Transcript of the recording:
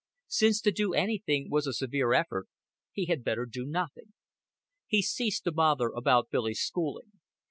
Since to do anything was a severe effort, he had better do nothing. He ceased to bother about Billy's schooling.